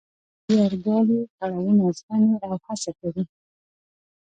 زیار ګالي، کړاوونه زغمي او هڅه کوي.